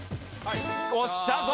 押したぞ！